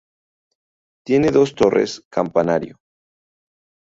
Tiene dos torres campanario.